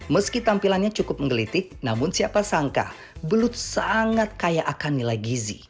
meski tampilannya cukup menggelitik namun siapa sangka belut sangat kaya akan nilai gizi